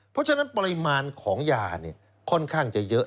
เพราะฉะนั้นปริมาณของยาค่อนข้างจะเยอะ